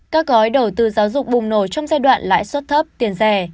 các gói đầu tư giáo dục bùng nổ trong giai đoạn lãi suất thấp tiền rẻ